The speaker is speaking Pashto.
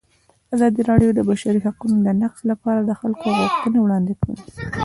ازادي راډیو د د بشري حقونو نقض لپاره د خلکو غوښتنې وړاندې کړي.